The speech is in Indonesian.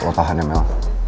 lo tahan ya mel